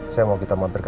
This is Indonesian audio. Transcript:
saya mau kita mampir ke